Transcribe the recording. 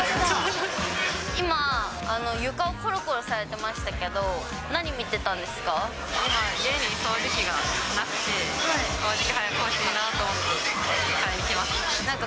今、床をころころされてましたけど、何見てたんですか。